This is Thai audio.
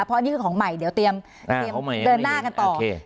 เพราะอันนี้คือของใหม่เดี๋ยวเตรียมเดินหน้ากันต่อ